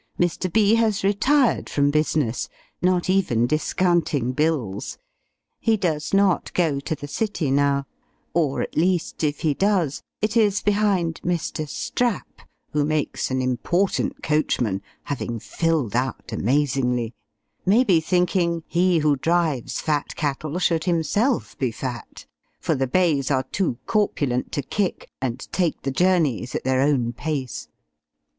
Mr. B. has retired from business, not even discounting bills: he does not go to the city now; or at least if he does, it is behind Mr. Strap, who makes an important coachman, having filled out amazingly may be, thinking, "he who drives fat cattle should himself be fat;" for the bays are too corpulent to kick, and take the journeys at their own pace.